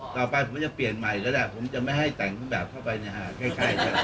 ต่อไปผมจะเปลี่ยนใหม่ก็ได้ผมจะไม่ให้แต่งคุณแบบเข้าไปในฮาค์